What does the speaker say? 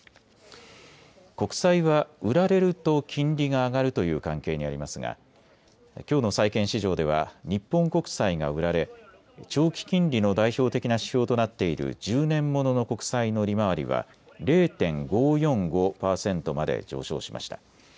国債は売られると金利が上がるという関係にありますがきょうの債券市場では日本国債が売られ長期金利の代表的な指標となっている１０年ものの国債の利回りは０．５４５％まで上昇しました。